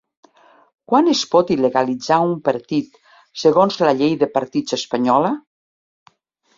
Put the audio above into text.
Quan es pot il·legalitzar un partit segons la llei de partits espanyola?